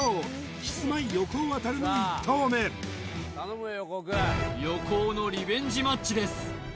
キスマイ横尾渉の１投目横尾のリベンジマッチです